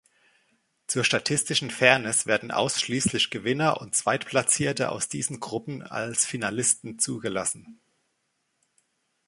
Zur statistischen Fairness werden ausschließlich Gewinner und Zweitplatzierte aus diesen Gruppen als Finalisten zugelassen.